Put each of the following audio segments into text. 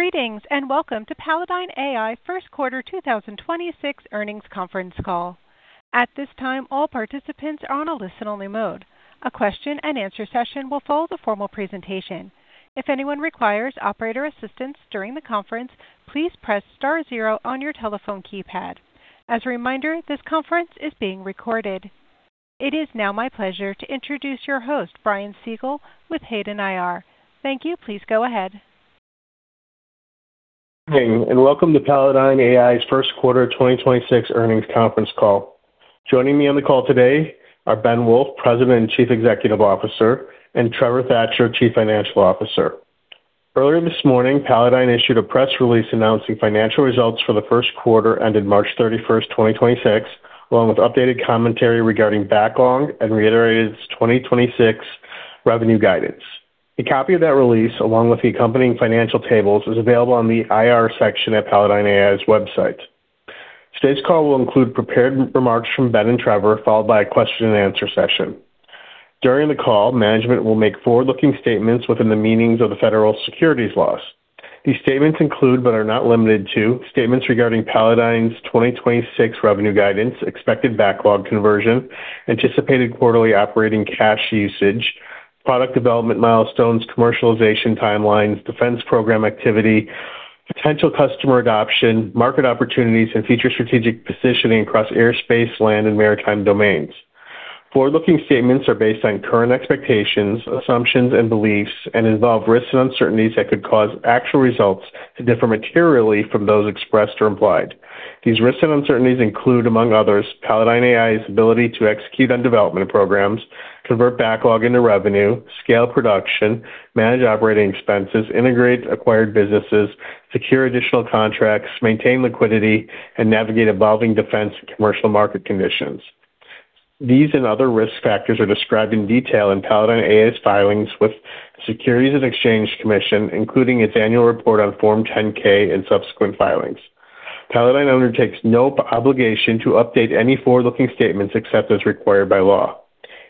Greetings, and welcome to Palladyne AI first quarter 2026 earnings conference call. At this time all participants are on a listen only mode. A question-and-answer session will follow the form of presentation. If anyone requires operator assistance during the conference, please press star zero on your telephone keypad. As a reminder this conference is being recorded. It is now my pleasure to introduce your host, Brian Siegel, with Hayden IR. Thank you. Please go ahead. Good morning. Welcome to Palladyne AI's first quarter 2026 earnings conference call. Joining me on the call today are Ben Wolff, President and Chief Executive Officer, and Trevor Thatcher, Chief Financial Officer. Earlier this morning, Palladyne issued a press release announcing financial results for the first quarter ended March 31st, 2026, along with updated commentary regarding backlog and reiterated its 2026 revenue guidance. A copy of that release, along with the accompanying financial tables, is available on the IR section at Palladyne AI's website. Today's call will include prepared remarks from Ben and Trevor, followed by a question-and-answer session. During the call, management will make forward-looking statements within the meanings of the federal securities laws. These statements include, but are not limited to, statements regarding Palladyne's 2026 revenue guidance, expected backlog conversion, anticipated quarterly operating cash usage, product development milestones, commercialization timelines, defense program activity, potential customer adoption, market opportunities, and future strategic positioning across airspace, land, and maritime domains. Forward-looking statements are based on current expectations, assumptions and beliefs and involve risks and uncertainties that could cause actual results to differ materially from those expressed or implied. These risks and uncertainties include, among others, Palladyne AI's ability to execute on development programs, convert backlog into revenue, scale production, manage operating expenses, integrate acquired businesses, secure additional contracts, maintain liquidity, and navigate evolving defense and commercial market conditions. These and other risk factors are described in detail in Palladyne AI's filings with the Securities and Exchange Commission, including its annual report on Form 10-K and subsequent filings. Palladyne undertakes no obligation to update any forward-looking statements except as required by law.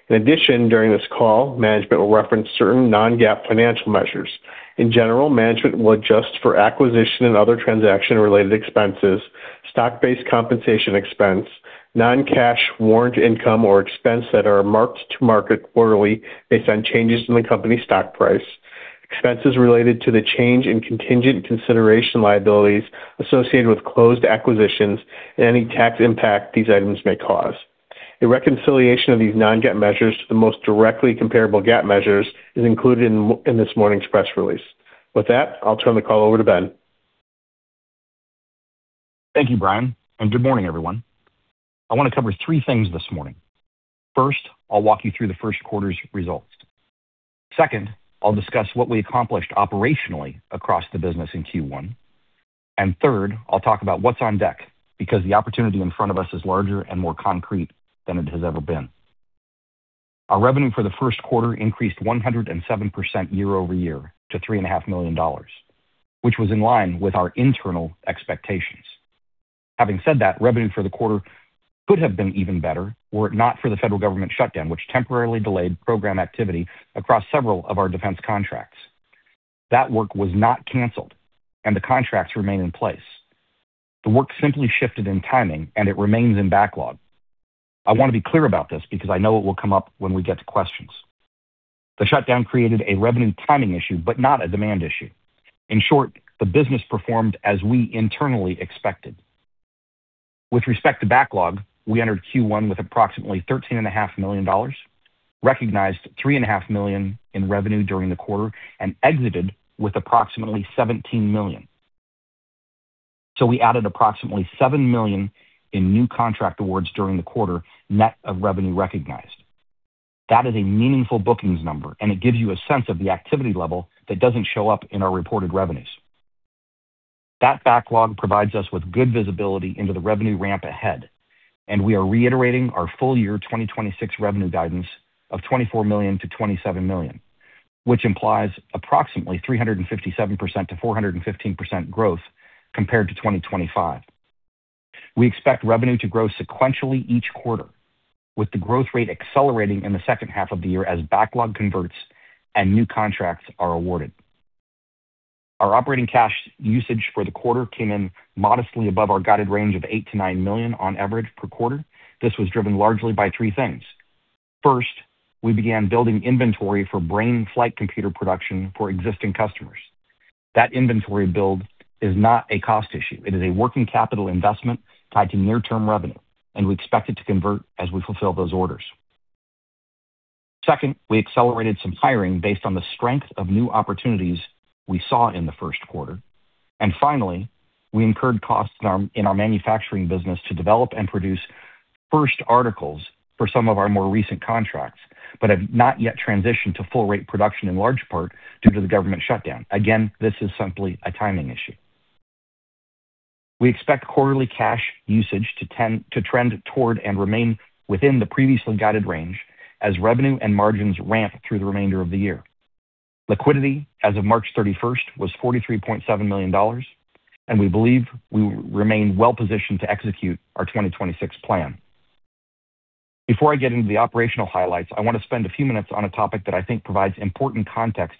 During this call, management will reference certain non-GAAP financial measures. In general, management will adjust for acquisition and other transaction-related expenses, stock-based compensation expense, non-cash warrant income or expense that are marked to market quarterly based on changes in the company's stock price, expenses related to the change in contingent consideration liabilities associated with closed acquisitions, and any tax impact these items may cause. A reconciliation of these non-GAAP measures to the most directly comparable GAAP measures is included in this morning's press release. With that, I'll turn the call over to Ben. Thank you, Brian, and good morning, everyone. I want to cover three things this morning. First, I'll walk you through the first quarter's results. Second, I'll discuss what we accomplished operationally across the business in Q1. Third, I'll talk about what's on deck because the opportunity in front of us is larger and more concrete than it has ever been. Our revenue for the first quarter increased 107% year-over-year to $3.5 million, which was in line with our internal expectations. Having said that, revenue for the quarter could have been even better were it not for the federal government shutdown, which temporarily delayed program activity across several of our defense contracts. That work was not canceled, the contracts remain in place. The work simply shifted in timing, it remains in backlog. I want to be clear about this because I know it will come up when we get to questions. The shutdown created a revenue timing issue but not a demand issue. In short, the business performed as we internally expected. With respect to backlog, we entered Q1 with approximately $13.5 million, recognized $3.5 million in revenue during the quarter, and exited with approximately $17 million. We added approximately $7 million in new contract awards during the quarter, net of revenue recognized. That is a meaningful bookings number, and it gives you a sense of the activity level that doesn't show up in our reported revenues. That backlog provides us with good visibility into the revenue ramp ahead, and we are reiterating our full-year 2026 revenue guidance of $24 million-$27 million, which implies approximately 357%-415% growth compared to 2025. We expect revenue to grow sequentially each quarter, with the growth rate accelerating in the second half of the year as backlog converts and new contracts are awarded. Our operating cash usage for the quarter came in modestly above our guided range of $8 million-$9 million on average per quarter. This was driven largely by three things. First, we began building inventory for BRAIN flight computer production for existing customers. That inventory build is not a cost issue. It is a working capital investment tied to near-term revenue, and we expect it to convert as we fulfill those orders. Second, we accelerated some hiring based on the strength of new opportunities we saw in the first quarter. Finally, we incurred costs in our manufacturing business to develop and produce first articles for some of our more recent contracts but have not yet transitioned to full rate production in large part due to the government shutdown. Again, this is simply a timing issue. We expect quarterly cash usage to trend toward and remain within the previously guided range as revenue and margins ramp through the remainder of the year. Liquidity as of March 31st was $43.7 million, and we believe we remain well-positioned to execute our 2026 plan. Before I get into the operational highlights, I want to spend a few minutes on a topic that I think provides important context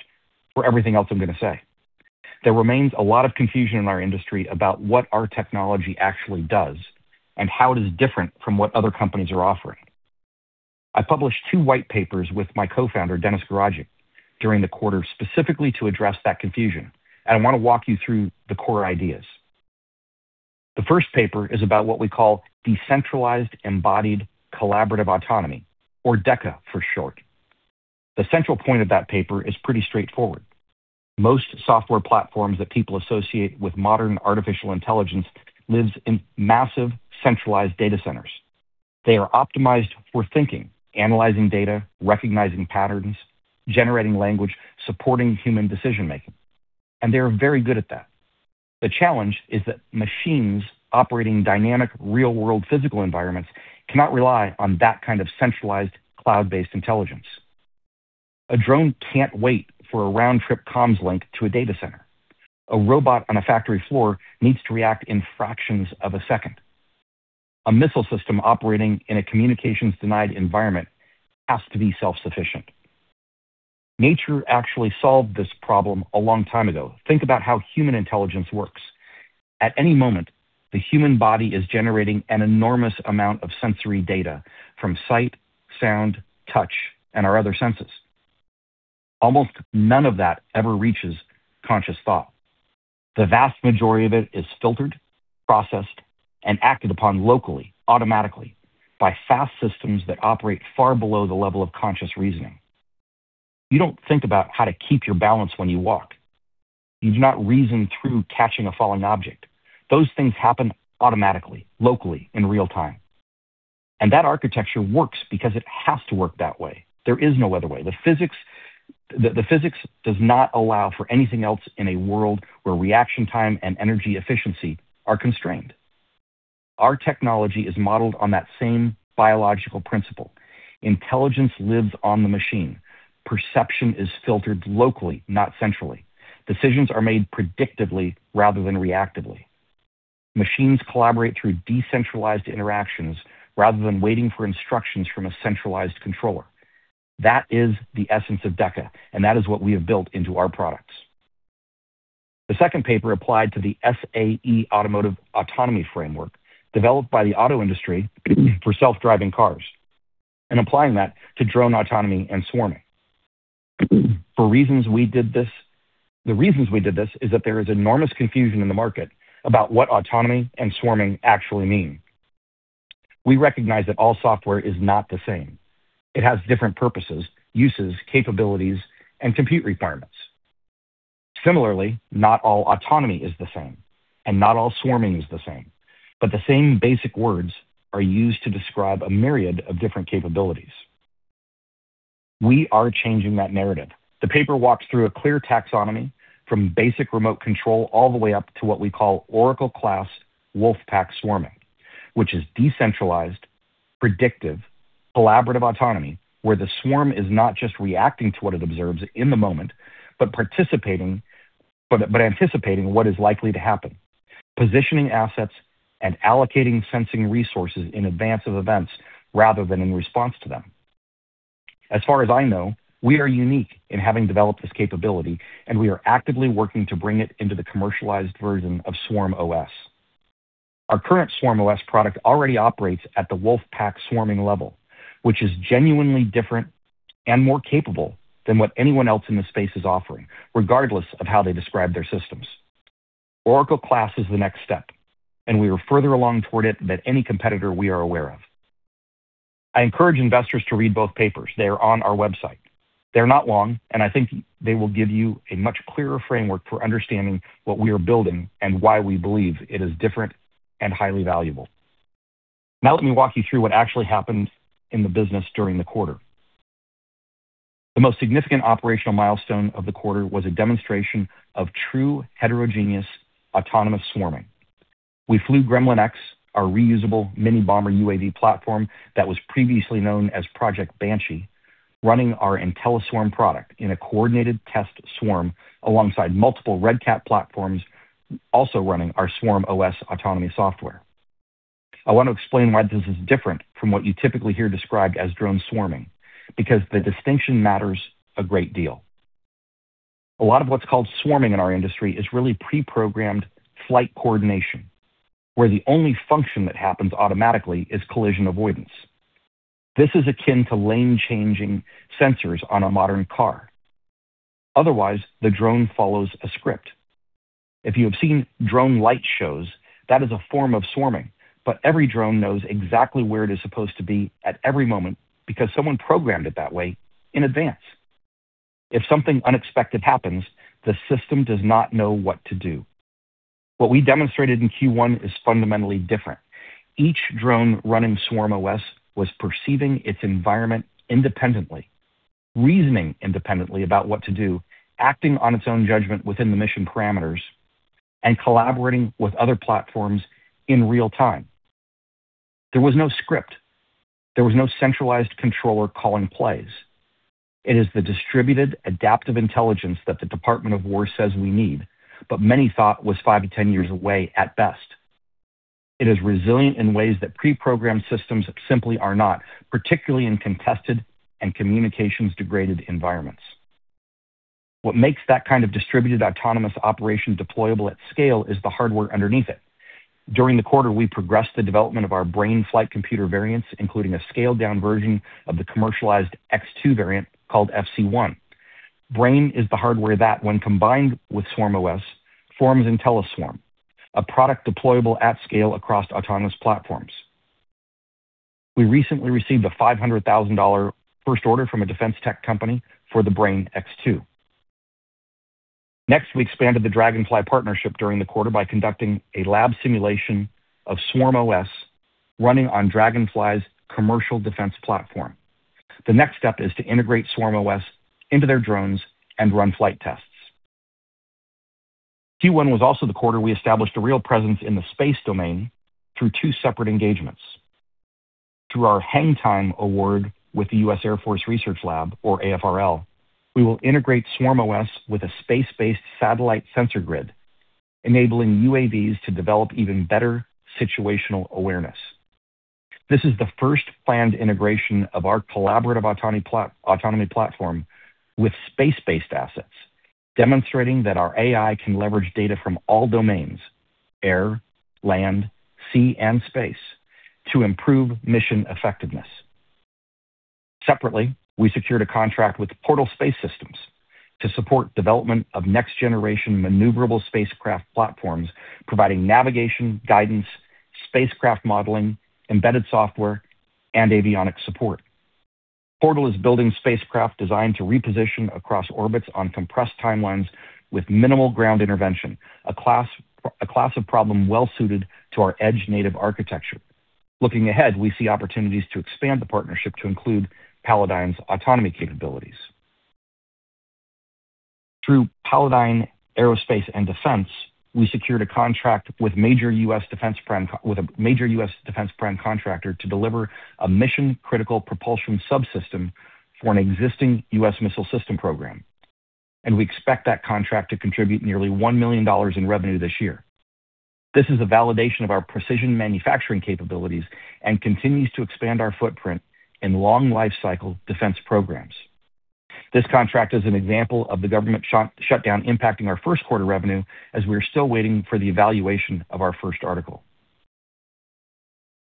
for everything else I'm going to say. There remains a lot of confusion in our industry about what our technology actually does and how it is different from what other companies are offering. I published two white papers with my co-founder, Denis Garagić, during the quarter specifically to address that confusion, and I want to walk you through the core ideas. The first paper is about what we call Decentralized Embodied Collaborative Autonomy, or DECA for short. The central point of that paper is pretty straightforward. Most software platforms that people associate with modern artificial intelligence lives in massive centralized data centers. They are optimized for thinking, analyzing data, recognizing patterns, generating language, supporting human decision-making, and they are very good at that. The challenge is that machines operating dynamic real-world physical environments cannot rely on that kind of centralized cloud-based intelligence. A drone can't wait for a round-trip comms link to a data center. A robot on a factory floor needs to react in fractions of a second. A missile system operating in a communications denied environment has to be self-sufficient. Nature actually solved this problem a long time ago. Think about how human intelligence works. At any moment, the human body is generating an enormous amount of sensory data from sight, sound, touch, and our other senses. Almost none of that ever reaches conscious thought. The vast majority of it is filtered, processed, and acted upon locally, automatically by fast systems that operate far below the level of conscious reasoning. You don't think about how to keep your balance when you walk. You do not reason through catching a falling object. Those things happen automatically, locally, in real-time. That architecture works because it has to work that way. There is no other way. The physics, the physics does not allow for anything else in a world where reaction time and energy efficiency are constrained. Our technology is modeled on that same biological principle. Intelligence lives on the machine. Perception is filtered locally, not centrally. Decisions are made predictively rather than reactively. Machines collaborate through decentralized interactions rather than waiting for instructions from a centralized controller. That is the essence of DECA. That is what we have built into our products. The second paper applied to the SAE Automotive Autonomy Framework, developed by the auto industry for self-driving cars and applying that to drone autonomy and swarming. The reasons we did this is that there is enormous confusion in the market about what autonomy and swarming actually mean. We recognize that all software is not the same. It has different purposes, uses, capabilities, and compute requirements. Similarly, not all autonomy is the same, and not all swarming is the same, but the same basic words are used to describe a myriad of different capabilities. We are changing that narrative. The paper walks through a clear taxonomy from basic remote control all the way up to what we call Oracle-Class Wolf Pack Swarming, which is decentralized, predictive, collaborative autonomy, where the swarm is not just reacting to what it observes in the moment, but anticipating what is likely to happen, positioning assets and allocating sensing resources in advance of events rather than in response to them. As far as I know, we are unique in having developed this capability, and we are actively working to bring it into the commercialized version of SwarmOS. Our current SwarmOS product already operates at the Wolf Pack swarming level, which is genuinely different and more capable than what anyone else in this space is offering, regardless of how they describe their systems. Oracle Class is the next step, and we are further along toward it than any competitor we are aware of. I encourage investors to read both papers. They are on our website. They're not long, and I think they will give you a much clearer framework for understanding what we are building and why we believe it is different and highly valuable. Now, let me walk you through what actually happened in the business during the quarter. The most significant operational milestone of the quarter was a demonstration of true heterogeneous autonomous swarming. We flew Gremlin-X, our reusable mini bomber UAV platform that was previously known as Project Banshee, running our IntelliSwarm product in a coordinated test swarm alongside multiple Red Cat platforms also running our SwarmOS autonomy software. I want to explain why this is different from what you typically hear described as drone swarming, because the distinction matters a great deal. A lot of what's called swarming in our industry is really pre-programmed flight coordination, where the only function that happens automatically is collision avoidance. This is akin to lane-changing sensors on a modern car. Otherwise, the drone follows a script. If you have seen drone light shows, that is a form of swarming, but every drone knows exactly where it is supposed to be at every moment because someone programmed it that way in advance. If something unexpected happens, the system does not know what to do. What we demonstrated in Q1 is fundamentally different. Each drone running SwarmOS was perceiving its environment independently, reasoning independently about what to do, acting on its own judgment within the mission parameters, and collaborating with other platforms in real-time. There was no script. There was no centralized controller calling plays. It is the distributed adaptive intelligence that the Department of War says we need, but many thought was five to 10 years away at best. It is resilient in ways that pre-programmed systems simply are not, particularly in contested and communications-degraded environments. What makes that kind of distributed autonomous operation deployable at scale is the hardware underneath it. During the quarter, we progressed the development of our BRAIN flight computer variants, including a scaled-down version of the commercialized X2 variant called FC1. BRAIN is the hardware that, when combined with SwarmOS, forms IntelliSwarm, a product deployable at scale across autonomous platforms. We recently received a $500,000 first order from a defense tech company for the BRAIN X2. We expanded the Draganfly partnership during the quarter by conducting a lab simulation of SwarmOS running on Draganfly's commercial defense platform. The next step is to integrate SwarmOS into their drones and run flight tests. Q1 was also the quarter we established a real presence in the space domain through two separate engagements. Through our HANGTIME award with the U.S. Air Force Research Lab, or AFRL, we will integrate SwarmOS with a space-based satellite sensor grid, enabling UAVs to develop even better situational awareness. This is the first planned integration of our collaborative autonomy platform with space-based assets, demonstrating that our AI can leverage data from all domains, air, land, sea, and space, to improve mission effectiveness. Separately, we secured a contract with Portal Space Systems to support development of next-generation maneuverable spacecraft platforms, providing navigation, guidance, spacecraft modeling, embedded software, and avionics support. Portal is building spacecraft designed to reposition across orbits on compressed timelines with minimal ground intervention, a class of problem well-suited to our edge-native architecture. Looking ahead, we see opportunities to expand the partnership to include Palladyne's autonomy capabilities. Through Palladyne Aerospace and Defense, we secured a contract with a major U.S. defense prime contractor to deliver a mission-critical propulsion subsystem for an existing U.S. missile system program, and we expect that contract to contribute nearly $1 million in revenue this year. This is a validation of our precision manufacturing capabilities and continues to expand our footprint in long-life cycle defense programs. This contract is an example of the government shutdown impacting our first quarter revenue as we are still waiting for the evaluation of our first article.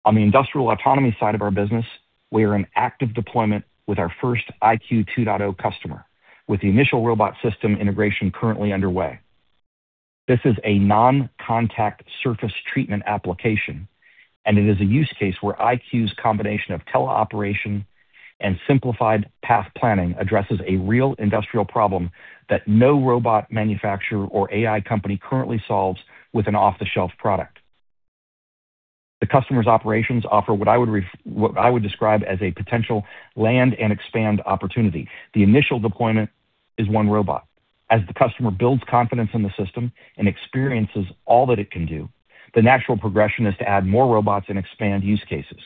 On the industrial autonomy side of our business, we are in active deployment with our first IQ 2.0 customer, with the initial robot system integration currently underway. This is a non-contact surface treatment application, and it is a use case where IQ's combination of teleoperation and simplified path planning addresses a real industrial problem that no robot manufacturer or AI company currently solves with an off-the-shelf product. The customer's operations offer what I would describe as a potential land and expand opportunity. The initial deployment is one robot. As the customer builds confidence in the system and experiences all that it can do, the natural progression is to add more robots and expand use cases.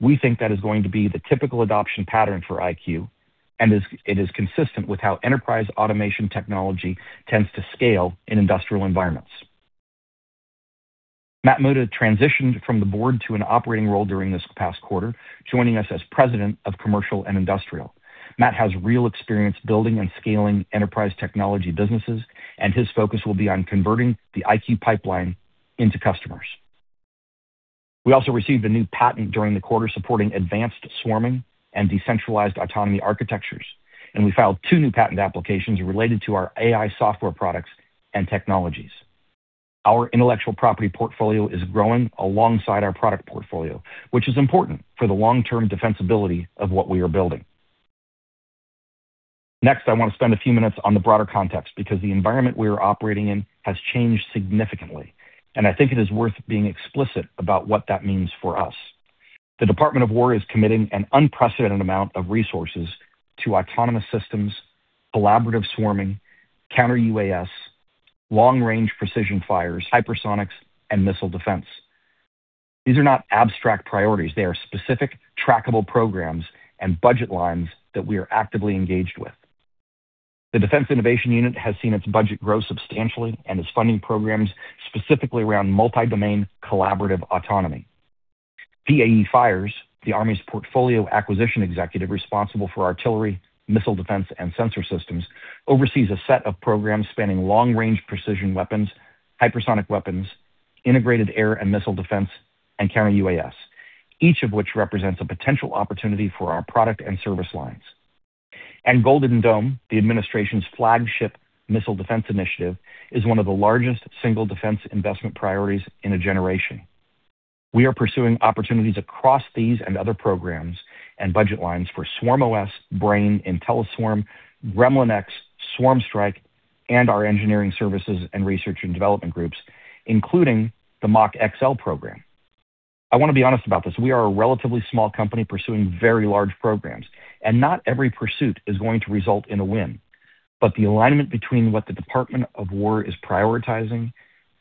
We think that is going to be the typical adoption pattern for IQ, and it is consistent with how enterprise automation technology tends to scale in industrial environments. Matt Muta transitioned from the board to an operating role during this past quarter, joining us as President of Commercial and Industrial. Matt has real experience building and scaling enterprise technology businesses, and his focus will be on converting the IQ pipeline into customers. We also received a new patent during the quarter supporting advanced swarming and decentralized autonomy architectures, and we filed two new patent applications related to our AI software products and technologies. Our intellectual property portfolio is growing alongside our product portfolio, which is important for the long-term defensibility of what we are building. Next, I want to spend a few minutes on the broader context because the environment we are operating in has changed significantly, and I think it is worth being explicit about what that means for us. The Department of War is committing an unprecedented amount of resources to autonomous systems, collaborative swarming, counter-UAS, long-range precision fires, hypersonics, and missile defense. These are not abstract priorities. They are specific, trackable programs and budget lines that we are actively engaged with. The Defense Innovation Unit has seen its budget grow substantially and is funding programs specifically around multi-domain collaborative autonomy. PAE Fires, the Army's portfolio acquisition executive responsible for artillery, missile defense, and sensor systems, oversees a set of programs spanning long-range precision weapons, hypersonic weapons, integrated air and missile defense, and counter-UAS, each of which represents a potential opportunity for our product and service lines. Golden Dome, the administration's flagship missile defense initiative, is one of the largest single defense investment priorities in a generation. We are pursuing opportunities across these and other programs and budget lines for SwarmOS, BRAIN, IntelliSwarm, Gremlin-X, SwarmStrike, and our engineering services and research and development groups, including the MACH-XL program. I want to be honest about this. We are a relatively small company pursuing very large programs, not every pursuit is going to result in a win. The alignment between what the Department of War is prioritizing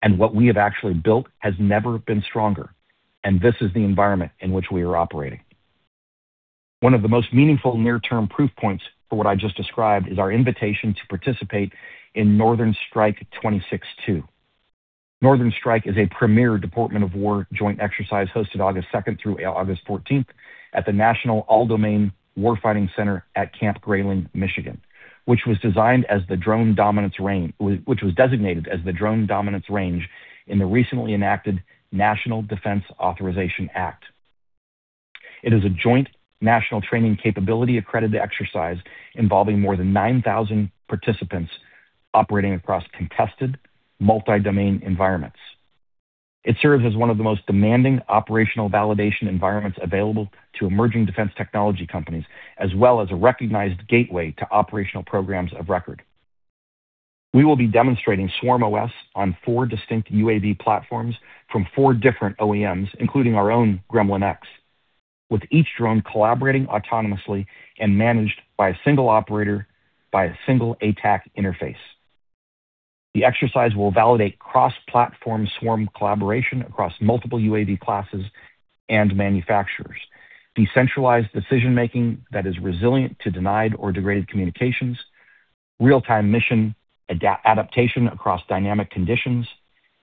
and what we have actually built has never been stronger, and this is the environment in which we are operating. One of the most meaningful near-term proof points for what I just described is our invitation to participate in Northern Strike 26-2. Northern Strike is a premier Department of War joint exercise hosted August 2nd-August 14th at the National All-Domain Warfighting Center at Camp Grayling, Michigan, which was designated as the Drone Dominance Range in the recently enacted National Defense Authorization Act. It is a joint national training capability accredited exercise involving more than 9,000 participants operating across contested multi-domain environments. It serves as one of the most demanding operational validation environments available to emerging defense technology companies, as well as a recognized gateway to operational programs of record. We will be demonstrating SwarmOS on four distinct UAV platforms from four different OEMs, including our own Gremlin-X, with each drone collaborating autonomously and managed by a single operator by a single ATAK interface. The exercise will validate cross-platform swarm collaboration across multiple UAV classes and manufacturers, decentralized decision-making that is resilient to denied or degraded communications, real-time mission adaptation across dynamic conditions,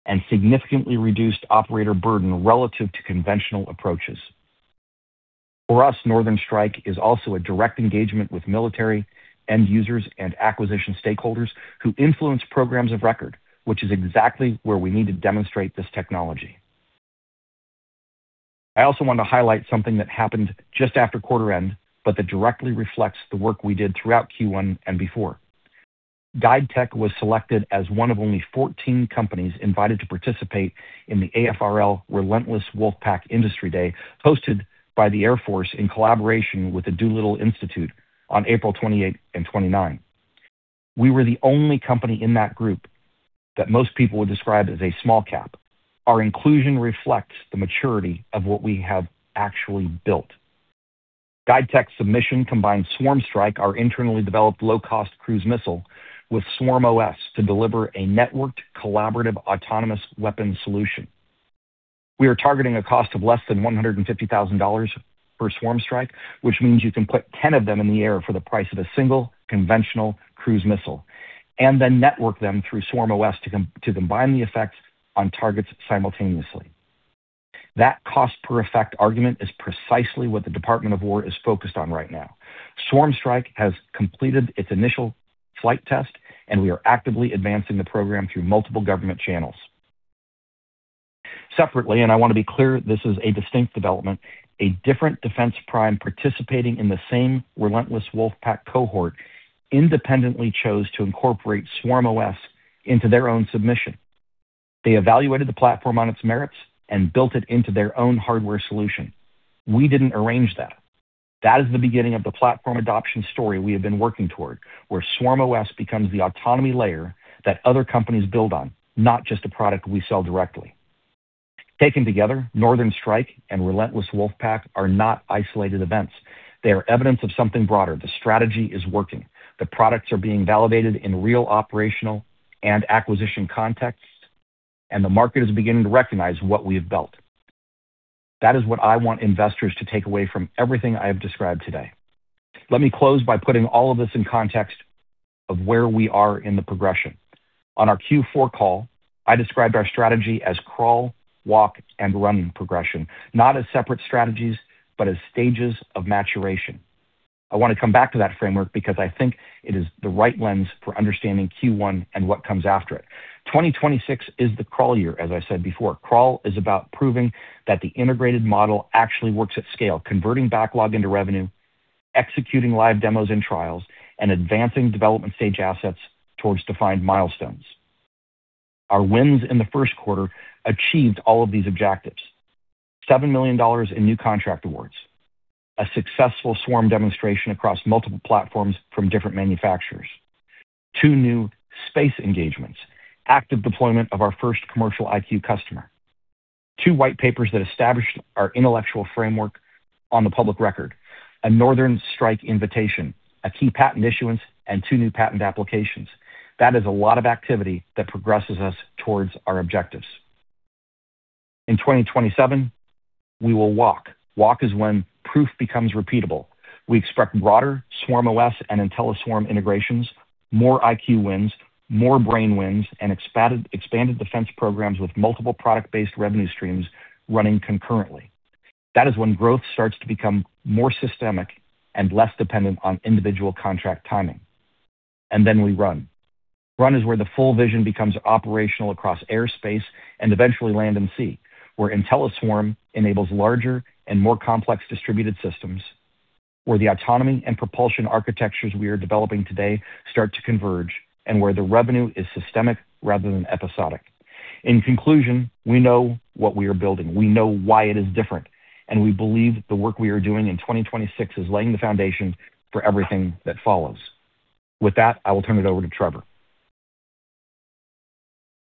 and significantly reduced operator burden relative to conventional approaches. For us, Northern Strike is also a direct engagement with military end users and acquisition stakeholders who influence programs of record, which is exactly where we need to demonstrate this technology. I also want to highlight something that happened just after quarter end, but that directly reflects the work we did throughout Q1 and before. GuideTech was selected as one of only 14 companies invited to participate in the AFRL Relentless Wolfpack Industry Day, hosted by the Air Force in collaboration with the Doolittle Institute on April 28 and 29. We were the only company in that group that most people would describe as a small cap. Our inclusion reflects the maturity of what we have actually built. GuideTech's submission combined SwarmStrike, our internally developed low-cost cruise missile, with SwarmOS to deliver a networked collaborative autonomous weapons solution. We are targeting a cost of less than $150,000 per SwarmStrike, which means you can put 10 of them in the air for the price of a single conventional cruise missile, and then network them through SwarmOS to combine the effects on targets simultaneously. That cost per effect argument is precisely what the Department of War is focused on right now. SwarmStrike has completed its initial flight test, we are actively advancing the program through multiple government channels. Separately, I want to be clear, this is a distinct development, a different defense prime participating in the same Relentless Wolfpack cohort independently chose to incorporate SwarmOS into their own submission. They evaluated the platform on its merits and built it into their own hardware solution. We didn't arrange that. That is the beginning of the platform adoption story we have been working toward, where SwarmOS becomes the autonomy layer that other companies build on, not just a product we sell directly. Taken together, Northern Strike and Relentless Wolfpack are not isolated events. They are evidence of something broader. The strategy is working. The products are being validated in real operational and acquisition contexts, and the market is beginning to recognize what we have built. That is what I want investors to take away from everything I have described today. Let me close by putting all of this in context of where we are in the progression. On our Q4 call, I described our strategy as crawl, walk, and run progression, not as separate strategies, but as stages of maturation. I want to come back to that framework because I think it is the right lens for understanding Q1 and what comes after it. 2026 is the crawl year, as I said before. Crawl is about proving that the integrated model actually works at scale, converting backlog into revenue, executing live demos and trials, and advancing development stage assets towards defined milestones. Our wins in the first quarter achieved all of these objectives. $7 million in new contract awards, a successful swarm demonstration across multiple platforms from different manufacturers, two new space engagements, active deployment of our first commercial IQ customer, two white papers that established our intellectual framework on the public record, a Northern Strike invitation, a key patent issuance, and two new patent applications. That is a lot of activity that progresses us towards our objectives. In 2027, we will walk. Walk is when proof becomes repeatable. We expect broader SwarmOS and IntelliSwarm integrations, more IQ wins, more BRAIN wins, and expanded defense programs with multiple product-based revenue streams running concurrently. That is when growth starts to become more systemic and less dependent on individual contract timing. We run. Run is where the full vision becomes operational across airspace and eventually land and sea, where IntelliSwarm enables larger and more complex distributed systems, where the autonomy and propulsion architectures we are developing today start to converge, and where the revenue is systemic rather than episodic. In conclusion, we know what we are building, we know why it is different, and we believe the work we are doing in 2026 is laying the foundation for everything that follows. With that, I will turn it over to Trevor.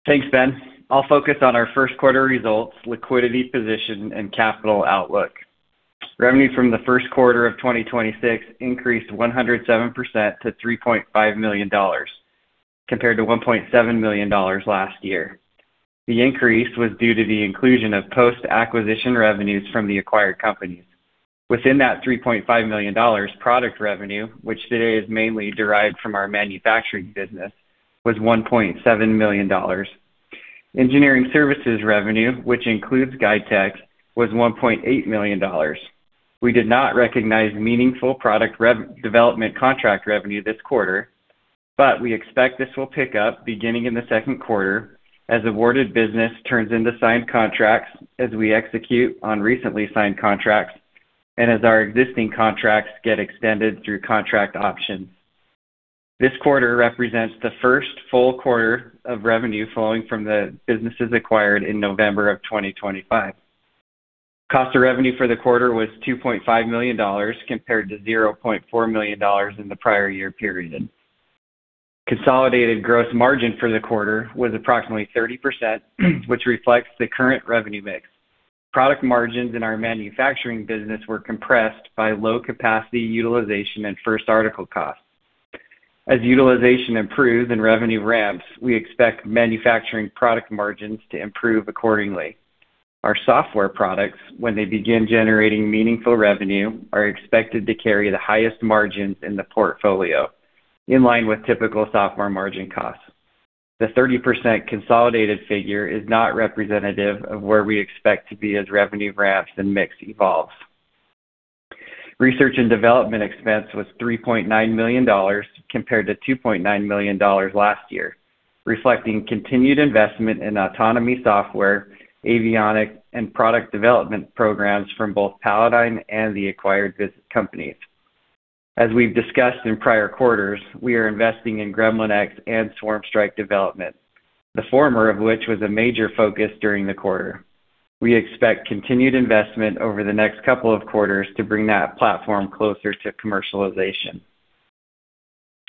Thanks, Ben. I'll focus on our first quarter results, liquidity position, and capital outlook. Revenue from the first quarter of 2026 increased 107% to $3.5 million compared to $1.7 million last year. The increase was due to the inclusion of post-acquisition revenues from the acquired companies. Within that $3.5 million product revenue, which today is mainly derived from our manufacturing business, was $1.7 million. Engineering services revenue, which includes GuideTech, was $1.8 million. We did not recognize meaningful product development contract revenue this quarter, but we expect this will pick up beginning in the second quarter as awarded business turns into signed contracts, as we execute on recently signed contracts, and as our existing contracts get extended through contract options. This quarter represents the first full quarter of revenue flowing from the businesses acquired in November 2025. Cost of revenue for the quarter was $2.5 million compared to $0.4 million in the prior year period. Consolidated gross margin for the quarter was approximately 30%, which reflects the current revenue mix. Product margins in our manufacturing business were compressed by low capacity utilization and first article costs. As utilization improves and revenue ramps, we expect manufacturing product margins to improve accordingly. Our software products, when they begin generating meaningful revenue, are expected to carry the highest margins in the portfolio in line with typical software margin costs. The 30% consolidated figure is not representative of where we expect to be as revenue ramps and mix evolves. Research and development expense was $3.9 million compared to $2.9 million last year, reflecting continued investment in autonomy software, avionics, and product development programs from both Palladyne and the acquired companies. As we've discussed in prior quarters, we are investing in Gremlin-X and SwarmStrike development, the former of which was a major focus during the quarter. We expect continued investment over the next couple of quarters to bring that platform closer to commercialization.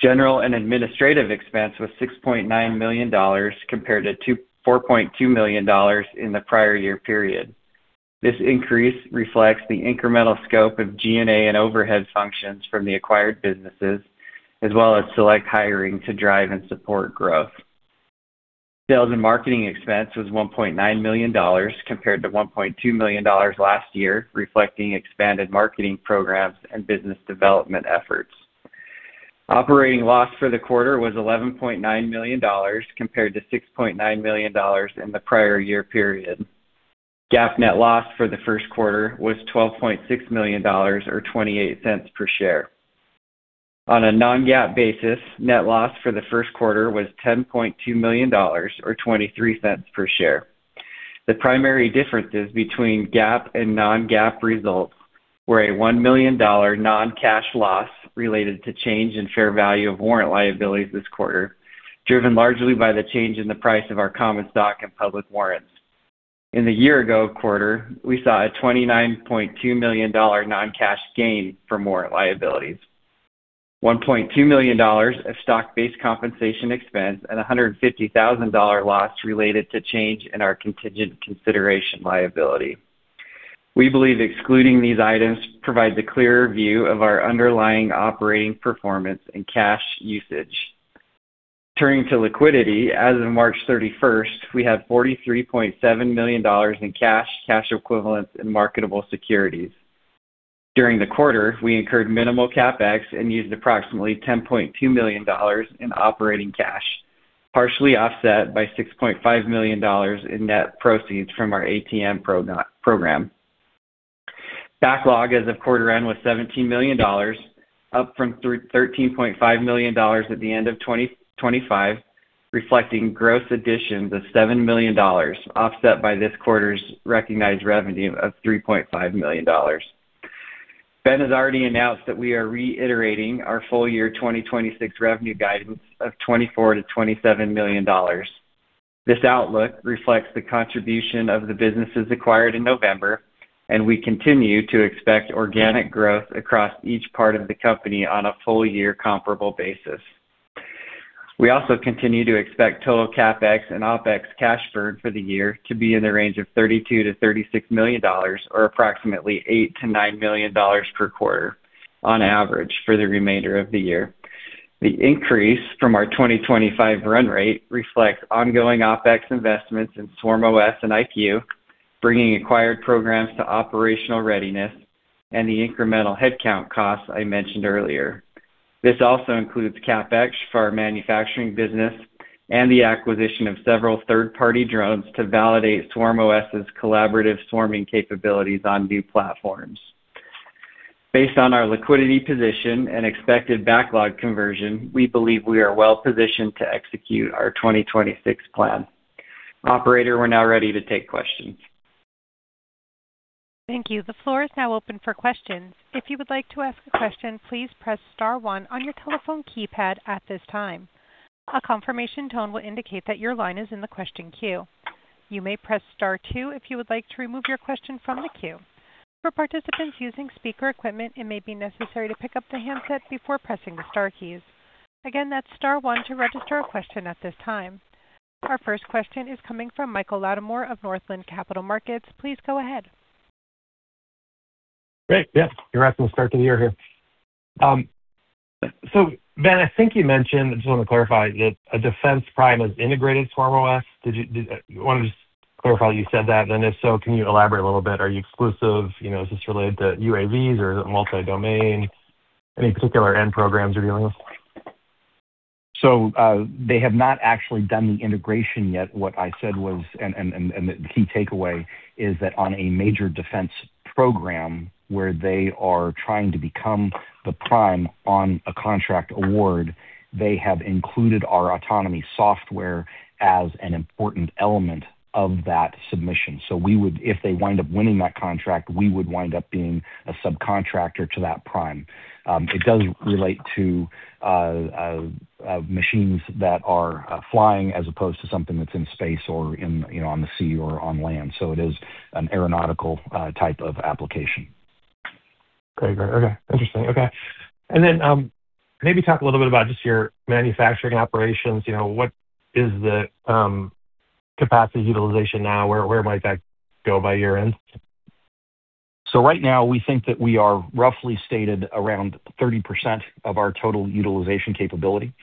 General and administrative expense was $6.9 million compared to $4.2 million in the prior year period. This increase reflects the incremental scope of G&A and overhead functions from the acquired businesses, as well as select hiring to drive and support growth. Sales and marketing expense was $1.9 million compared to $1.2 million last year, reflecting expanded marketing programs and business development efforts. Operating loss for the quarter was $11.9 million compared to $6.9 million in the prior year period. GAAP net loss for the first quarter was $12.6 million or $0.28 per share. On a non-GAAP basis, net loss for the first quarter was $10.2 million or $0.23 per share. The primary differences between GAAP and non-GAAP results were a $1 million non-cash loss related to change in fair value of warrant liabilities this quarter, driven largely by the change in the price of our common stock and public warrants. In the year-ago quarter, we saw a $29.2 million non-cash gain for warrant liabilities, $1.2 million of stock-based compensation expense and a $150,000 loss related to change in our contingent consideration liability. We believe excluding these items provides a clearer view of our underlying operating performance and cash usage. Turning to liquidity, as of March 31st, we have $43.7 million in cash equivalents and marketable securities. During the quarter, we incurred minimal CapEx and used approximately $10.2 million in operating cash, partially offset by $6.5 million in net proceeds from our ATM program. Backlog as of quarter end was $17 million, up from $13.5 million at the end of 2025, reflecting gross additions of $7 million, offset by this quarter's recognized revenue of $3.5 million. Ben has already announced that we are reiterating our full year 2026 revenue guidance of $24 million-$27 million. This outlook reflects the contribution of the businesses acquired in November, and we continue to expect organic growth across each part of the company on a full year comparable basis. We also continue to expect total CapEx and OpEx cash burn for the year to be in the range of $32 million-$36 million or approximately $8 million-$9 million per quarter on average for the remainder of the year. The increase from our 2025 run rate reflects ongoing OpEx investments in SwarmOS and IQ, bringing acquired programs to operational readiness and the incremental headcount costs I mentioned earlier. This also includes CapEx for our manufacturing business and the acquisition of several third-party drones to validate SwarmOS's collaborative swarming capabilities on new platforms. Based on our liquidity position and expected backlog conversion, we believe we are well positioned to execute our 2026 plan. Operator, we're now ready to take questions. Thank you. The floor is now open for questions. If you would like to ask a question, please press star one on your telephone keypad at this time. Our confirmation tone will indicate that your line is on the question queue. You may press star two if you would like to remove your question from the queue. For participants using speaker equipment it may be necessary to pick up the handset before pressing the star keys. Again, that star one to register question at this time. Our first question is coming from Michael Latimore of Northland Capital Markets. Please go ahead. Great. Yeah. You're asking to start the year here. Ben, I think you mentioned, I just want to clarify, that a defense prime is integrated SwarmOS. I want to just clarify you said that. If so, can you elaborate a little bit? Are you exclusive? You know, is this related to UAVs or multi-domain? Any particular end programs you're dealing with? They have not actually done the integration yet. What I said was, the key takeaway is that on a major defense program where they are trying to become the prime on a contract award, they have included our autonomy software as an important element of that submission. If they wind up winning that contract, we would wind up being a subcontractor to that prime. It does relate to machines that are flying as opposed to something that's in space or in, you know, on the sea or on land. It is an aeronautical type of application. Great. Okay. Interesting. Okay. Then, maybe talk a little bit about just your manufacturing operations. You know, what is the capacity utilization now? Where might that go by year-end? Right now, we think that we are roughly stated around 30% of our total utilization capability.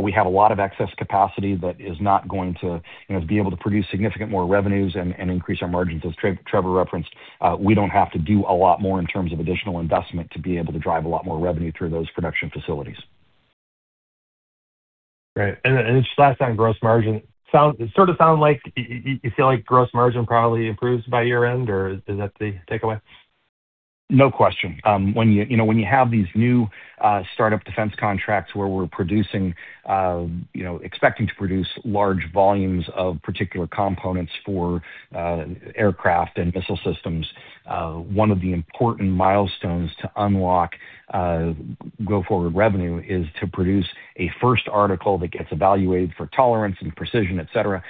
We have a lot of excess capacity that is not going to, you know, be able to produce significant more revenues and increase our margins. As Trevor referenced, we don't have to do a lot more in terms of additional investment to be able to drive a lot more revenue through those production facilities. Great. Just last time, gross margin. It sort of sound like you feel like gross margin probably improves by year-end, or is that the takeaway? No question. When you know, when you have these new startup defense contracts where we're producing, you know, expecting to produce large volumes of particular components for aircraft and missile systems, one of the important milestones to unlock go forward revenue is to produce a first article that gets evaluated for tolerance and precision, et cetera.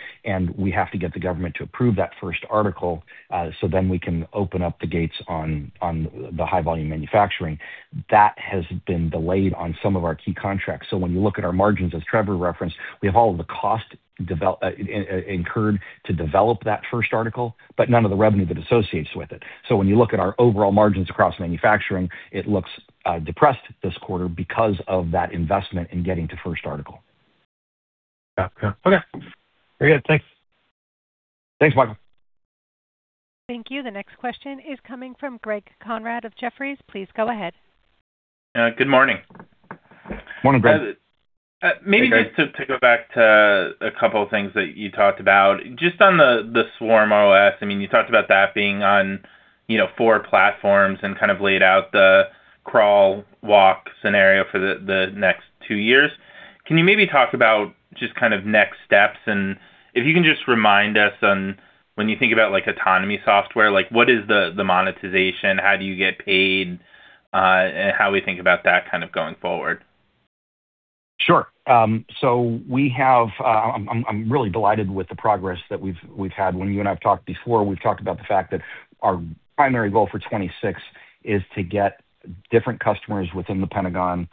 We have to get the government to approve that first article, then we can open up the gates on the high volume manufacturing. That has been delayed on some of our key contracts. When you look at our margins, as Trevor referenced, we have all of the cost incurred to develop that first article, but none of the revenue that associates with it. When you look at our overall margins across manufacturing, it looks depressed this quarter because of that investment in getting to first article. Yeah. Yeah. Okay. Very good. Thanks. Thanks, Michael. Thank you. The next question is coming from Greg Konrad of Jefferies. Please go ahead. Good morning. Morning, Greg. Maybe just to go back to a couple of things that you talked about. Just on the SwarmOS, I mean, you talked about that being on, you know, four platforms and kind of laid out the crawl walk scenario for the next two years. Can you maybe talk about just kind of next steps? And if you can just remind us on when you think about, like, autonomy software, like what is the monetization? How do you get paid, and how we think about that kind of going forward? Sure. I'm really delighted with the progress that we've had. When you and I have talked before, we've talked about the fact that our primary goal for 2026 is to get different customers within the Pentagon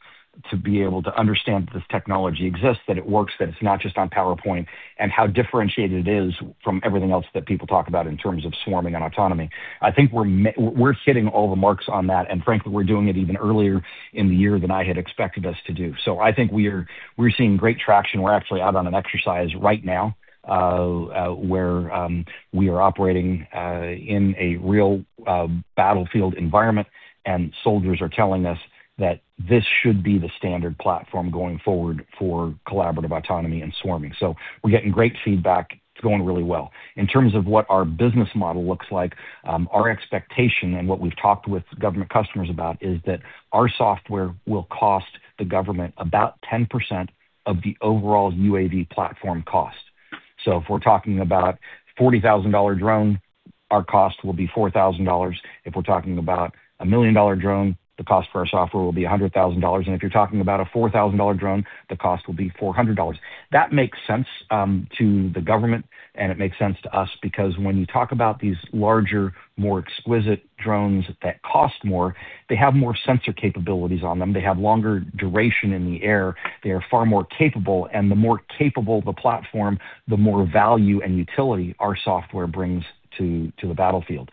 to be able to understand that this technology exists, that it works, that it's not just on PowerPoint, and how differentiated it is from everything else that people talk about in terms of swarming and autonomy. I think we're hitting all the marks on that, and frankly, we're doing it even earlier in the year than I had expected us to do. I think we're seeing great traction. We're actually out on an exercise right now, where we are operating in a real battlefield environment, and soldiers are telling us that this should be the standard platform going forward for collaborative autonomy and swarming. We're getting great feedback. It's going really well. In terms of what our business model looks like, our expectation and what we've talked with government customers about is that our software will cost the government about 10% of the overall UAV platform cost. If we're talking about a $40,000 drone, our cost will be $4,000. If we're talking about a $1 million drone, the cost for our software will be $100,000. If you're talking about a $4,000 drone, the cost will be $400. That makes sense to the government, and it makes sense to us because when you talk about these larger, more exquisite drones that cost more, they have more sensor capabilities on them. They have longer duration in the air. They are far more capable. The more capable the platform, the more value and utility our software brings to the battlefield.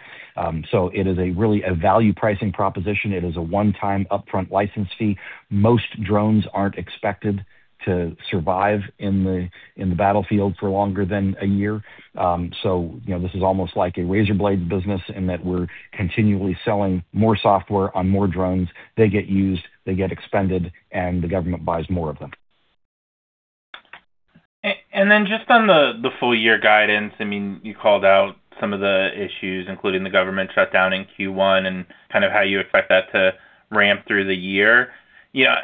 It is a really a value pricing proposition. It is a 1-time upfront license fee. Most drones aren't expected to survive in the battlefield for longer than a year. You know, this is almost like a razor blade business in that we're continually selling more software on more drones. They get used, they get expended, the government buys more of them. Then just on the full year guidance, I mean, you called out some of the issues, including the government shutdown in Q1 and kind of how you expect that to ramp through the year. Yeah,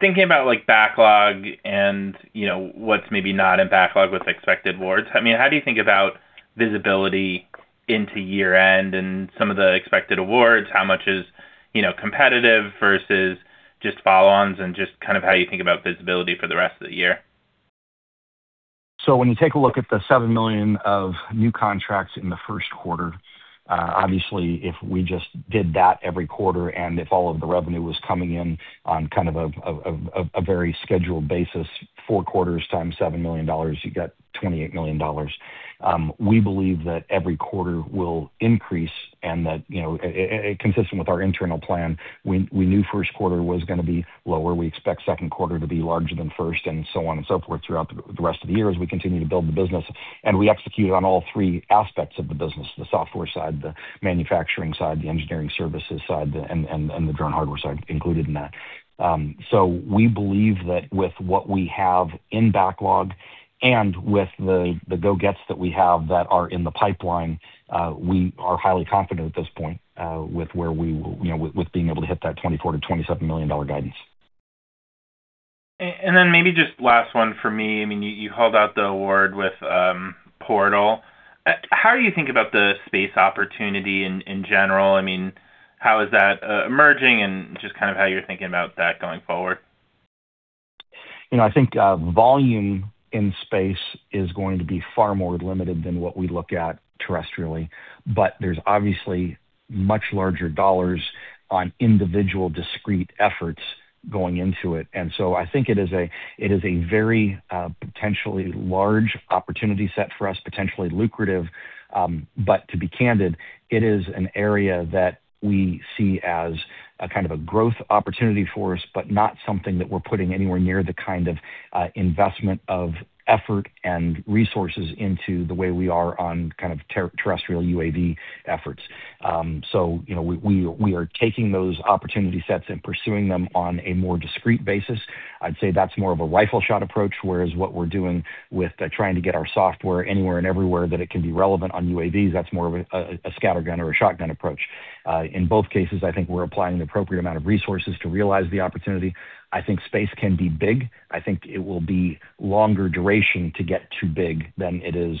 thinking about like backlog and, you know, what's maybe not in backlog with expected awards, I mean, how do you think about visibility into year-end and some of the expected awards? How much is, you know, competitive versus just follow-ons and just kind of how you think about visibility for the rest of the year? When you take a look at the $7 million of new contracts in the first quarter, obviously, if we just did that every quarter and if all of the revenue was coming in on kind of a very scheduled basis, four quarters times $7 million, you get $28 million. We believe that every quarter will increase and that, you know, consistent with our internal plan, we knew first quarter was going to be lower. We expect second quarter to be larger than first and so on and so forth throughout the rest of the year as we continue to build the business. We executed on all three aspects of the business, the software side, the manufacturing side, the engineering services side, the drone hardware side included in that. We believe that with what we have in backlog and with the go-gets that we have that are in the pipeline, we are highly confident at this point, with where we with being able to hit that $24 million-$27 million guidance. Maybe just last one for me. I mean, you called out the award with Portal. How do you think about the space opportunity in general? I mean, how is that emerging and just kind of how you're thinking about that going forward? You know, I think volume in space is going to be far more limited than what we look at terrestrially, but there's obviously much larger dollars on individual discrete efforts going into it. I think it is a, it is a very potentially large opportunity set for us, potentially lucrative. But to be candid, it is an area that we see as a kind of a growth opportunity for us, but not something that we're putting anywhere near the kind of investment of effort and resources into the way we are on kind of terrestrial UAV efforts. You know, we are taking those opportunity sets and pursuing them on a more discreet basis. I'd say that's more of a rifle shot approach, whereas what we're doing with trying to get our software anywhere and everywhere that it can be relevant on UAVs, that's more of a scattergun or a shotgun approach. In both cases, I think we're applying the appropriate amount of resources to realize the opportunity. I think space can be big. I think it will be longer duration to get to big than it is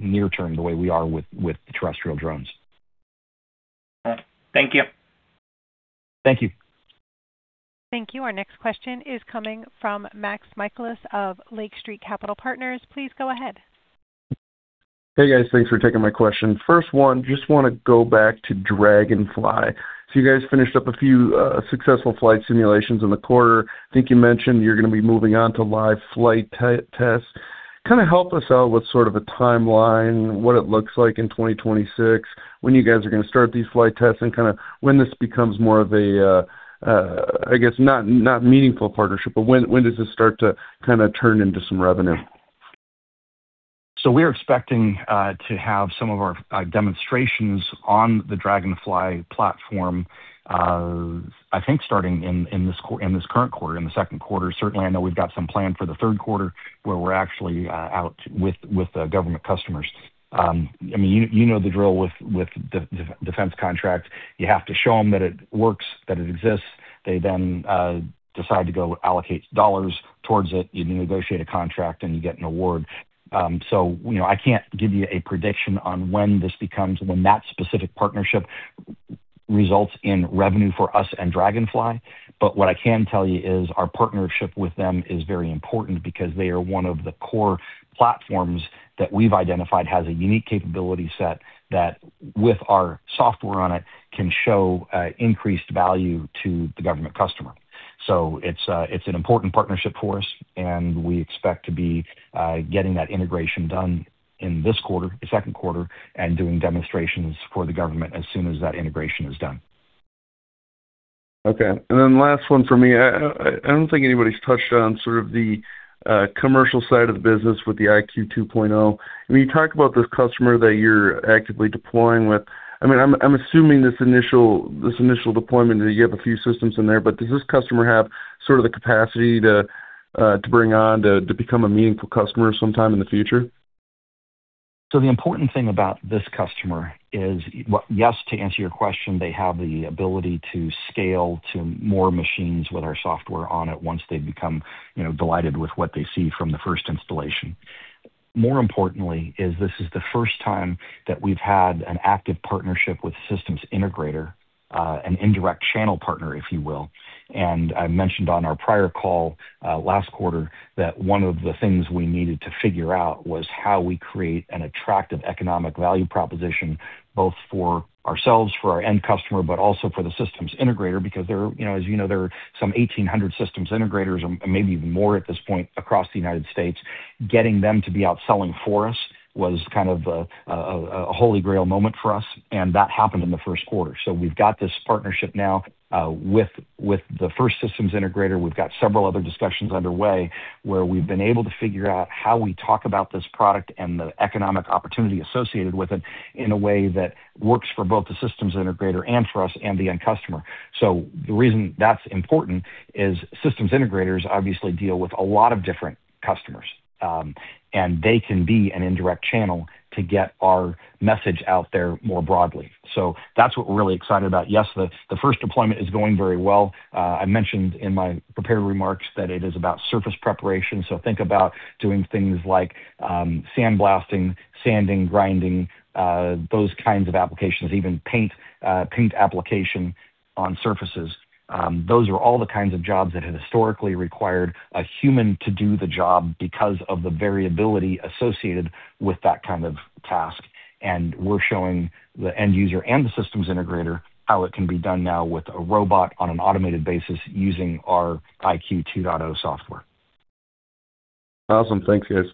near term the way we are with terrestrial drones. All right. Thank you. Thank you. Thank you. Our next question is coming from Max Michaelis of Lake Street Capital Markets. Please go ahead. Hey, guys. Thanks for taking my question. First one, just wanna go back to Draganfly. You guys finished up a few successful flight simulations in the quarter. I think you mentioned you're gonna be moving on to live flight test. Kind of help us out with sort of a timeline, what it looks like in 2026, when you guys are gonna start these flight tests and kind of when this becomes more of a, I guess not meaningful partnership, but when does this start to kind of turn into some revenue? We're expecting to have some of our demonstrations on the Draganfly platform, I think starting in this current quarter, in the second quarter. Certainly, I know we've got some planned for the third quarter where we're actually out with the government customers. I mean, you know the drill with Defense contract. You have to show them that it works, that it exists. They then decide to go allocate dollars towards it. You negotiate a contract, and you get an award. You know, I can't give you a prediction on when that specific partnership results in revenue for us and Draganfly. What I can tell you is our partnership with them is very important because they are one of the core platforms that we've identified has a unique capability set that, with our software on it, can show increased value to the government customer. It's an important partnership for us, and we expect to be getting that integration done in this quarter, the second quarter, and doing demonstrations for the government as soon as that integration is done. Okay. Last one for me. I don't think anybody's touched on sort of the commercial side of the business with the IQ 2.0. When you talk about this customer that you're actively deploying with, I mean, I'm assuming this initial deployment that you have a few systems in there, but does this customer have sort of the capacity to bring on to become a meaningful customer sometime in the future? The important thing about this customer is. Well, yes, to answer your question, they have the ability to scale to more machines with our software on it once they become, you know, delighted with what they see from the first installation. More importantly is this is the first time that we've had an active partnership with systems integrator, an indirect channel partner, if you will. I mentioned on our prior call last quarter that one of the things we needed to figure out was how we create an attractive economic value proposition, both for ourselves, for our end customer, but also for the systems integrator, because there are, you know, as you know, there are some 1,800 systems integrators and maybe even more at this point across the U.S. Getting them to be out selling for us was kind of a holy grail moment for us, and that happened in the first quarter. We've got this partnership now with the first systems integrator. We've got several other discussions underway where we've been able to figure out how we talk about this product and the economic opportunity associated with it in a way that works for both the systems integrator and for us and the end customer. The reason that's important is systems integrators obviously deal with a lot of different customers, and they can be an indirect channel to get our message out there more broadly. That's what we're really excited about. Yes, the first deployment is going very well. I mentioned in my prepared remarks that it is about surface preparation. Think about doing things like sandblasting, sanding, grinding, those kinds of applications, even paint application on surfaces. Those are all the kinds of jobs that have historically required a human to do the job because of the variability associated with that kind of task. We're showing the end user and the systems integrator how it can be done now with a robot on an automated basis using our IQ 2.0 software. Awesome. Thanks, guys.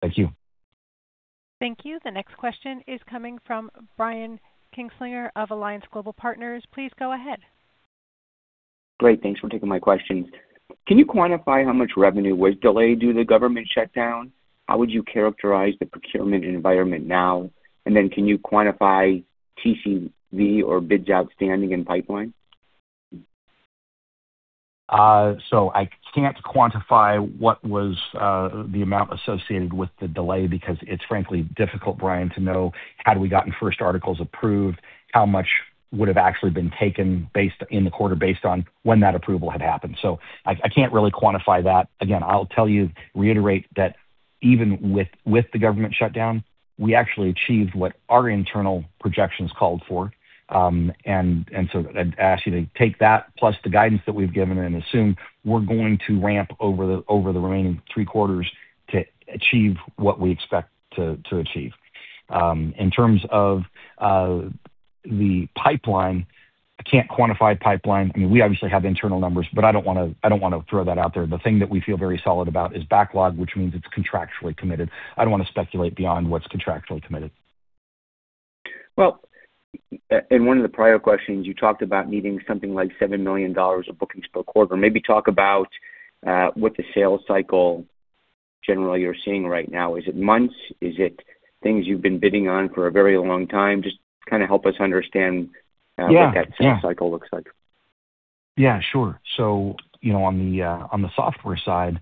Thank you. Thank you. The next question is coming from Brian Kinstlinger of Alliance Global Partners. Please go ahead. Great. Thanks for taking my question. Can you quantify how much revenue was delayed due to the government shutdown? How would you characterize the procurement environment now? Can you quantify TCV or bids outstanding in pipeline? I can't quantify what was the amount associated with the delay because it's frankly difficult, Brian, to know had we gotten first articles approved, how much would have actually been taken in the quarter based on when that approval had happened. I can't really quantify that. Again, I'll tell you, reiterate that even with the government shutdown, we actually achieved what our internal projections called for. I'd ask you to take that plus the guidance that we've given and assume we're going to ramp over the remaining three quarters to achieve what we expect to achieve. In terms of the pipeline, I can't quantify pipeline. I mean, we obviously have internal numbers, but I don't wanna throw that out there. The thing that we feel very solid about is backlog, which means it's contractually committed. I don't wanna speculate beyond what's contractually committed. Well, in one of the prior questions, you talked about needing something like $7 million of bookings per quarter. Maybe talk about what the sales cycle generally you're seeing right now. Is it months? Is it things you've been bidding on for a very long time? Just kinda help us understand. Yeah. What that sales cycle looks like. Yeah, sure. You know, on the software side,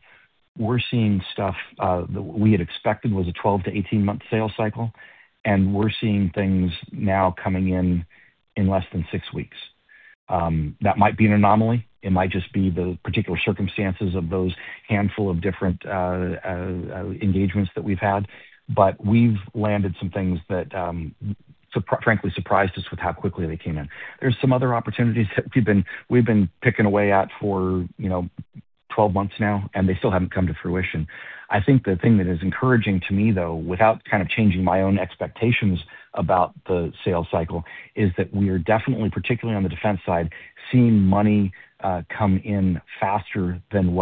we're seeing stuff that we had expected was a 12 to 18-month sales cycle, and we're seeing things now coming in in less than six weeks. That might be an anomaly. It might just be the particular circumstances of those handful of different engagements that we've had. We've landed some things that frankly surprised us with how quickly they came in. There's some other opportunities that we've been picking away at for, you know, 12 months now, and they still haven't come to fruition. I think the thing that is encouraging to me, though, without kind of changing my own expectations about the sales cycle, is that we are definitely, particularly on the defense side, seeing money come in faster than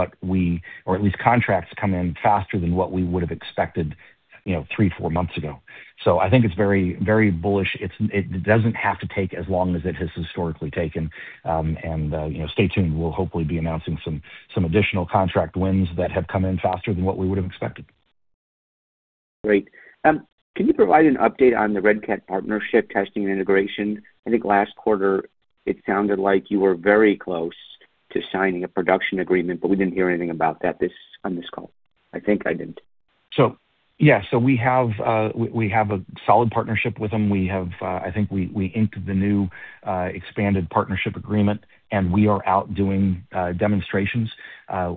or at least contracts come in faster than what we would have expected, you know, three, four months ago. I think it's very, very bullish. It doesn't have to take as long as it has historically taken. You know, stay tuned. We'll hopefully be announcing some additional contract wins that have come in faster than what we would have expected. Great. Can you provide an update on the Red Cat partnership testing and integration? I think last quarter it sounded like you were very close to signing a production agreement, we didn't hear anything about that on this call. I think I didn't. We have a solid partnership with them. We have, I think we inked the new expanded partnership agreement, and we are out doing demonstrations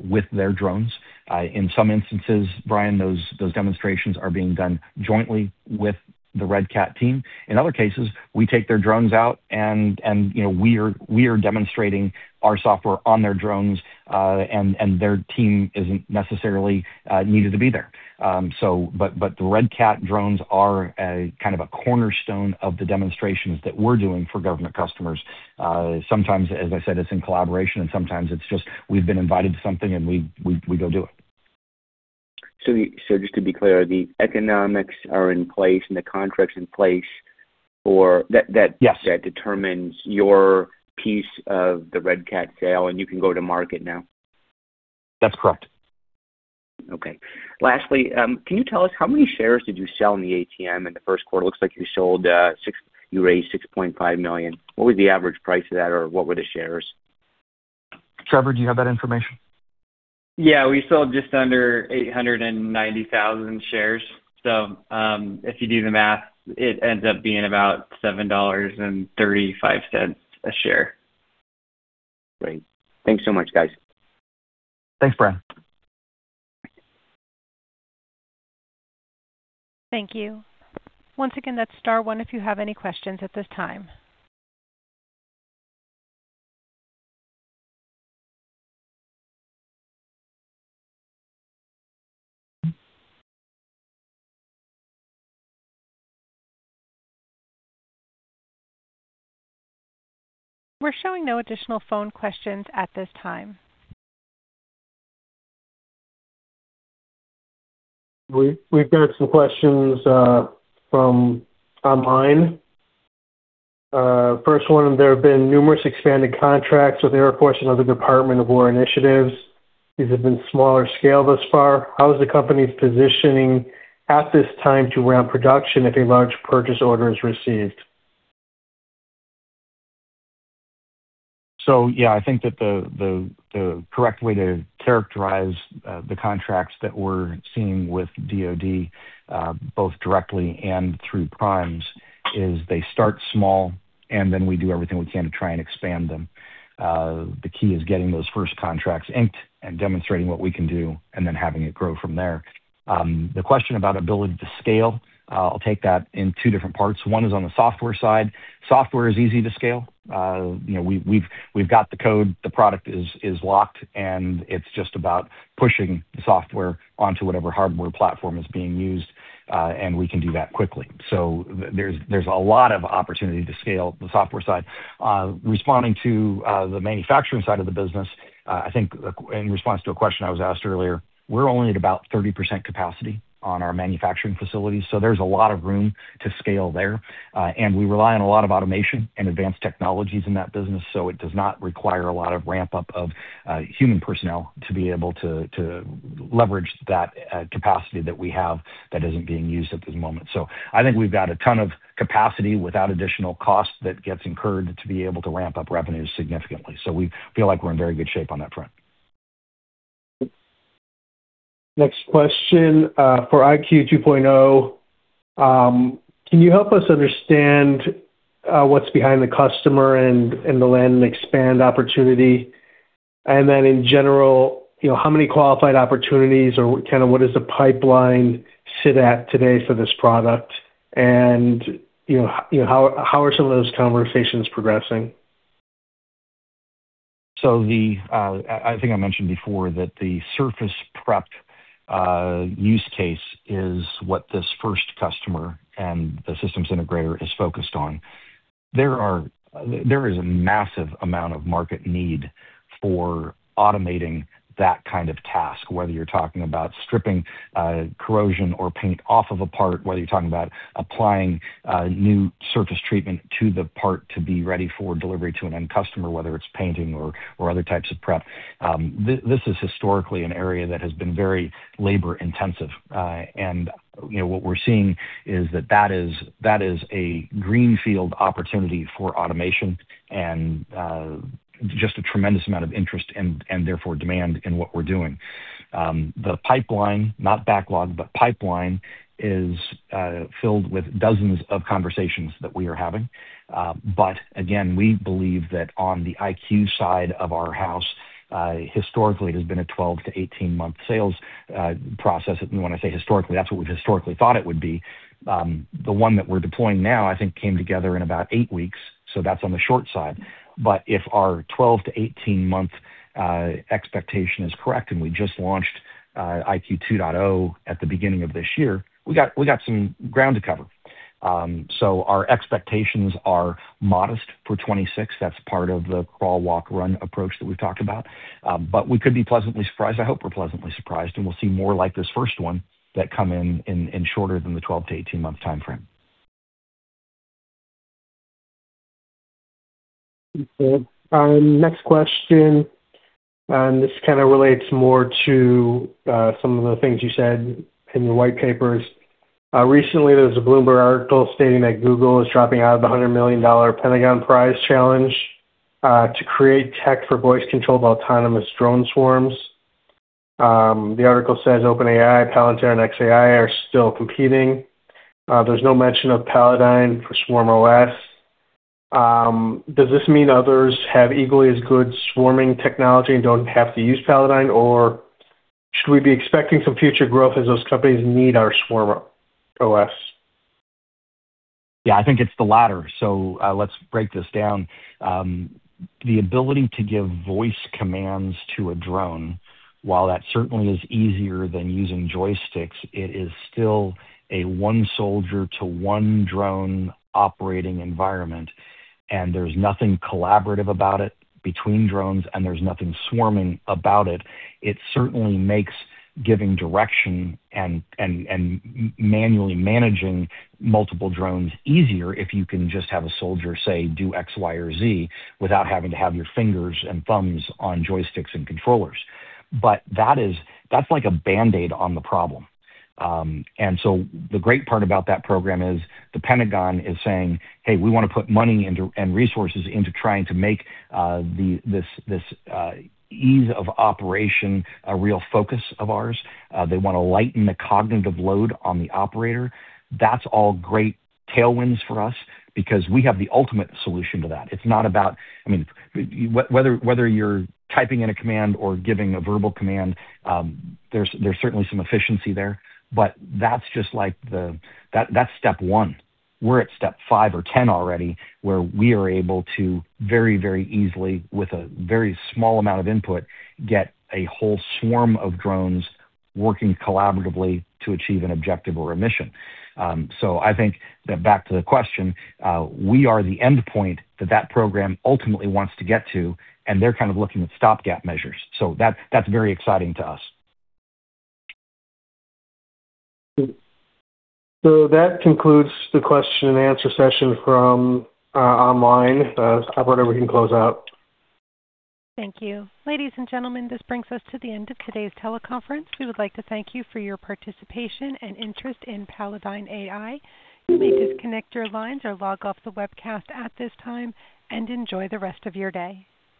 with their drones. In some instances, Brian, those demonstrations are being done jointly with the Red Cat team. In other cases, we take their drones out and, you know, we are demonstrating our software on their drones, and their team isn't necessarily needed to be there. The Red Cat drones are a kind of a cornerstone of the demonstrations that we're doing for government customers. Sometimes, as I said, it's in collaboration, and sometimes it's just we've been invited to something and we go do it. Just to be clear, the economics are in place and the contracts in place for that. Yes. That determines your piece of the Red Cat sale, and you can go to market now? That's correct. Okay. Lastly, can you tell us how many shares did you sell in the ATM in the first quarter? Looks like you sold, you raised $6.5 million. What was the average price of that, or what were the shares? Trevor, do you have that information? Yeah. We sold just under 890,000 shares. If you do the math, it ends up being about $7.35 a share. Great. Thanks so much, guys. Thanks, Brian. Thank you. Once again, that's star one if you have any questions at this time. We're showing no additional phone questions at this time. We've got some questions from online. First one, there have been numerous expanded contracts with Air Force and other Department of War initiatives. These have been smaller scale thus far. How is the company positioning at this time to ramp production if a large purchase order is received? Yeah, I think that the correct way to characterize the contracts that we're seeing with DoD, both directly and through primes is they start small, and then we do everything we can to try and expand them. The key is getting those first contracts inked and demonstrating what we can do and then having it grow from there. The question about ability to scale, I'll take that in two different parts. One is on the software side. Software is easy to scale. You know, we've got the code. The product is locked, and it's just about pushing the software onto whatever hardware platform is being used. And we can do that quickly. There's a lot of opportunity to scale the software side. Responding to the manufacturing side of the business, I think in response to a question I was asked earlier, we're only at about 30% capacity on our manufacturing facilities, so there's a lot of room to scale there. We rely on a lot of automation and advanced technologies in that business, so it does not require a lot of ramp-up of human personnel to be able to leverage that capacity that we have that isn't being used at the moment. I think we've got a ton of capacity without additional cost that gets incurred to be able to ramp up revenues significantly. We feel like we're in very good shape on that front. Next question, for IQ 2.0, can you help us understand what's behind the customer and the land and expand opportunity? In general, you know, how many qualified opportunities or kind of what is the pipeline sit at today for this product? You know, how are some of those conversations progressing? The, I think I mentioned before that the surface prep use case is what this first customer and the systems integrator is focused on. There is a massive amount of market need for automating that kind of task, whether you're talking about stripping corrosion or paint off of a part, whether you're talking about applying new surface treatment to the part to be ready for delivery to an end customer, whether it's painting or other types of prep. This is historically an area that has been very labor-intensive. You know, what we're seeing is that that is a greenfield opportunity for automation and just a tremendous amount of interest and therefore, demand in what we're doing. The pipeline, not backlog, but pipeline is filled with dozens of conversations that we are having. Again, we believe that on the IQ side of our house, historically it has been a 12-to-18-month sales process. When I say historically, that's what we've historically thought it would be. The one that we're deploying now, I think came together in about eight weeks, so that's on the short side. If our 12-to-18-month expectation is correct, and we just launched IQ 2.0 at the beginning of this year, we got some ground to cover. Our expectations are modest for 2026. That's part of the crawl, walk, run approach that we've talked about. We could be pleasantly surprised. I hope we're pleasantly surprised. We'll see more like this first one that come in shorter than the 12-to-18-month timeframe. Okay. Next question, this kind of relates more to some of the things you said in your white papers. Recently, there was a Bloomberg article stating that Google is dropping out of the $100 million Pentagon prize challenge to create tech for voice-controlled autonomous drone swarms. The article says OpenAI, Palantir, and xAI are still competing. There's no mention of Palladyne for SwarmOS. Does this mean others have equally as good swarming technology and don't have to use Palladyne, or should we be expecting some future growth as those companies need our SwarmOS? I think it's the latter. Let's break this down. The ability to give voice commands to a drone, while that certainly is easier than using joysticks, it is still a one soldier to one drone operating environment, and there's nothing collaborative about it between drones, and there's nothing swarming about it. It certainly makes giving direction and manually managing multiple drones easier if you can just have a soldier say, "Do X, Y, or Z," without having to have your fingers and thumbs on joysticks and controllers. That's like a Band-Aid on the problem. The great part about that program is the Pentagon is saying, "Hey, we wanna put money into and resources into trying to make this ease of operation a real focus of ours." They wanna lighten the cognitive load on the operator. That's all great tailwinds for us because we have the ultimate solution to that. It's not about I mean, whether you're typing in a command or giving a verbal command, there's certainly some efficiency there, but that's just like step one. We're at step five or 10 already, where we are able to very, very easily, with a very small amount of input, get a whole swarm of drones working collaboratively to achieve an objective or a mission. I think that back to the question, we are the endpoint that that program ultimately wants to get to, and they're kind of looking at stopgap measures. That, that's very exciting to us. That concludes the question-and-answer session from online. Operator, we can close out. Thank you. Ladies and gentlemen, this brings us to the end of today's teleconference. We would like to thank you for your participation and interest in Palladyne AI. You may disconnect your lines or log off the webcast at this time, and enjoy the rest of your day.